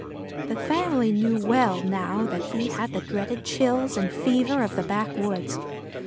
The family knew well now that he had the dreaded chills and fever of the backwoods.